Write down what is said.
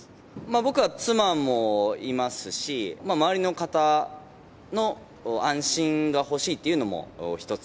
僕は妻もいますし、周りの方の安心が欲しいというのも一つ。